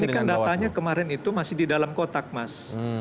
tapi kan datanya kemarin itu masih di dalam kotak mas